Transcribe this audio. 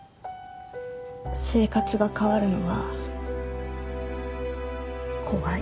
生活が変わるのは怖い。